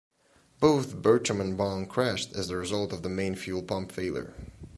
Both Burcham and Bong crashed as a result of main fuel pump failure.